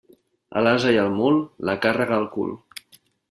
A l'ase i al mul, la càrrega al cul.